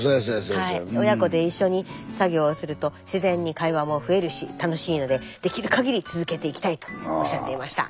親子で一緒に作業をすると自然に会話も増えるし楽しいのでできるかぎり続けていきたいとおっしゃっていました。